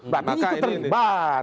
berarti itu terlibat